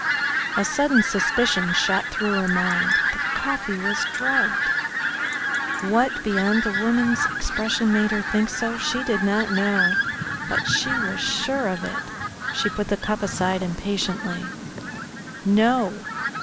A sudden suspicion shot through her mind. The coffee was drugged. What beyond the woman's expression made her think so she did not know, but she was sure of it. She put the cup aside impatiently. "No.